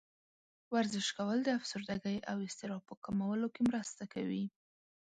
ورزش کول د افسردګۍ او اضطراب په کمولو کې مرسته کوي.